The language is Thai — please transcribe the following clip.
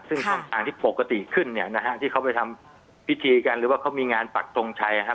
ซึ่งช่องทางที่ปกติขึ้นเนี่ยนะฮะที่เขาไปทำพิธีกันหรือว่าเขามีงานปักทงชัยนะครับ